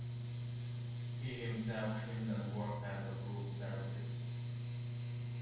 He himself trained and worked as a group therapist.